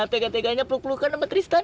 tega teganya peluk pelukan sama tristan